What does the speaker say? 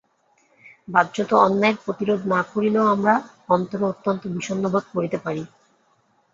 বাহ্যত অন্যায়ের প্রতিরোধ না করিলেও আমরা অন্তরে অত্যন্ত বিষণ্ণ বোধ করিতে পারি।